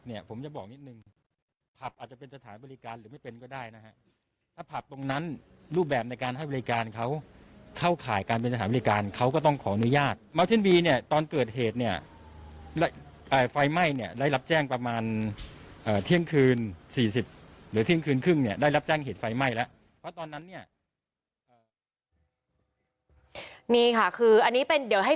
นี่ค่ะคืออันนี้เป็นเดี๋ยวให้ฟังอันนี้เต็มนะ